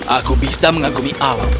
aku bisa mengakui alam